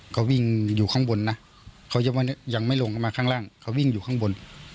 เขาวิ่งอยู่ข้างบนนะเขายังไม่ลงเข้ามาข้างล่างเขาวิ่งอยู่ข้างบน